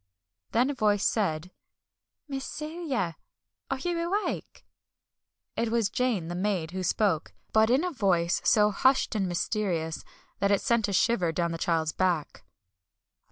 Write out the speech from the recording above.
Then a voice said: "Miss Celia! Are you awake?" It was Jane, the maid, who spoke, but in a voice so hushed and mysterious that it sent a shiver down the child's back.